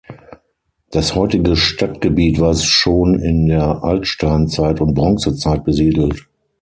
Das heutige Stadtgebiet war schon in der Altsteinzeit und Bronzezeit besiedelt.